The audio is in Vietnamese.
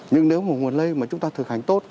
nhưng nếu một nguồn lây mà chúng ta thực hành tốt